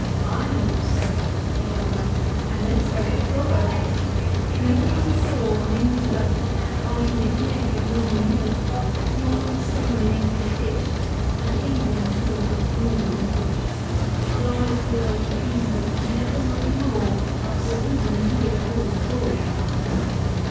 "Ay, noble sir," said Wamba, "and thence goes the proverb— 'Norman saw on English oak, On English neck a Norman yoke; Norman spoon in English dish, And England ruled as Normans wish; Blithe world to England never will be more, Till England's rid of all the four.